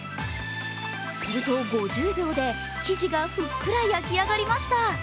すると、５０秒で生地がふっくら焼き上がりました。